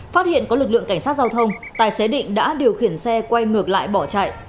phát hiện có lực lượng cảnh sát giao thông tài xế định đã điều khiển xe quay ngược lại bỏ chạy